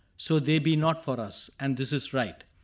So they be not for us ;— and this is right.